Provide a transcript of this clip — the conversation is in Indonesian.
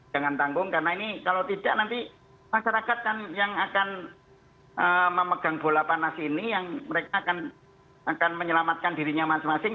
jangan tanggung karena ini kalau tidak nanti masyarakat kan yang akan memegang bola panas ini yang mereka akan menyelamatkan dirinya masing masing